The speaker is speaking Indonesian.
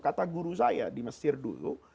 kata guru saya di mesir dulu